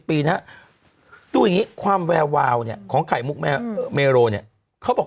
ปีนะฮะดูอย่างนี้ความแวววาวเนี่ยของไข่มุกเมโรเนี่ยเขาบอก